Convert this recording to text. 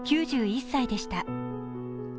９１歳でした。